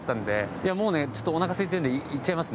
いやもうねおなかすいてるので行っちゃいますね。